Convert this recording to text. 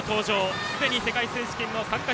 すでに世界選手権の参加